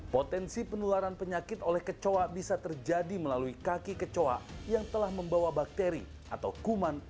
potensi penularan penyakit oleh kecoa bisa terjadi melalui kaki kecoa yang telah membawa bakteri atau kuman